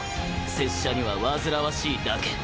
拙者には煩わしいだけ。